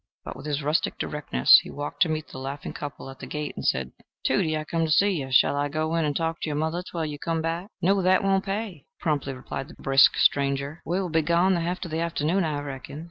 But with his rustic directness he walked to meet the laughing couple at the gate, and said, "Tudie, I come to see you. Shall I go in and talk to your mother twell you come back?" "No, that won't pay," promptly replied the brisk stranger. "We will be gone the heft of the afternoon, I reckon.